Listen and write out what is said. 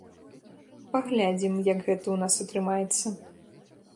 Паглядзім, як гэта ў нас атрымаецца.